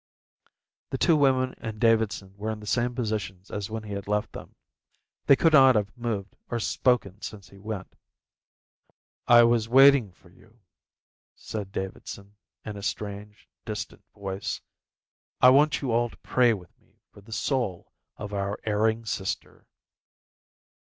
The two women and Davidson were in the same positions as when he had left them. They could not have moved or spoken since he went. "I was waiting for you," said Davidson, in a strange, distant voice. "I want you all to pray with me for the soul of our erring sister."